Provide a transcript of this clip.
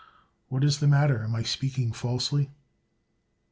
What is the matter? Am I speaking falsely?